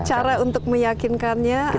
cara untuk meyakinkannya ada